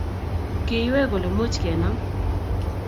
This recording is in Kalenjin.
kiinywei kole much kenam